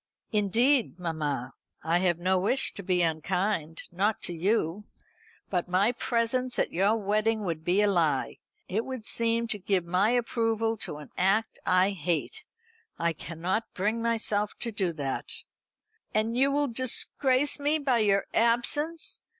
"Indeed, mamma, I have no wish to be unkind not to you. But my presence at your wedding would be a lie. It would seem to give my approval to an act I hate. I cannot bring myself to do that." "And you will disgrace me by your absence?